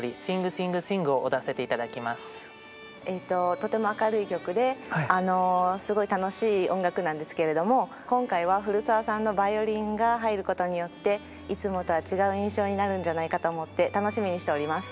とても明るい曲ですごい楽しい音楽なんですけれども今回は古澤さんのヴァイオリンが入ることによっていつもとは違う印象になるんじゃないかと思って楽しみにしております。